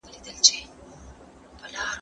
ځان جوړ کړئ.